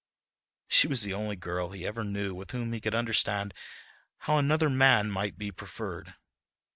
She was the only girl he ever knew with whom he could understand how another man might be preferred.